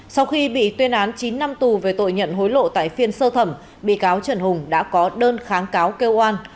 sau khi bị tuyên án chín năm tù về tội nhận hối lộ tại phiên sơ thẩm bị cáo trần hùng đã có đơn kháng cáo kêu an